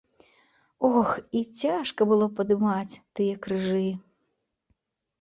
Ох, і цяжка было падымаць тыя крыжы!